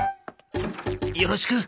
よろしく。